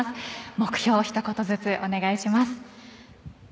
目標、ひと言ずつお願いします。